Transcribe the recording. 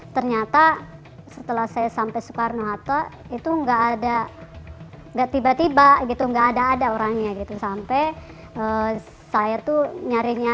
ternyata setelah saya sampai soekarno hatta itu nggak ada nggak tiba tiba gitu nggak ada ada orangnya gitu sampai saya tuh nyarinya